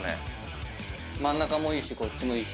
真ん中もいいしこっちもいいし。